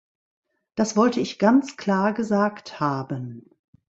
Das wollte ich ganz klar gesagt haben.